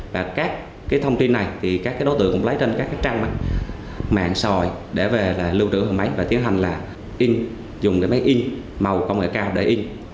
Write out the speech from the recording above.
và các thông tin này thì các đối tượng cũng lấy trên các trang mạng sòi để về lưu trữ hình máy và tiến hành là dùng máy in màu công nghệ cao để in